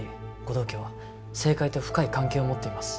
道家は政界と深い関係を持っています